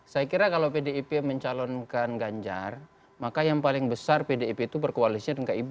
saya kira kalau pdip mencalonkan ganjar maka yang paling besar pdip itu berkoalisi dengan kib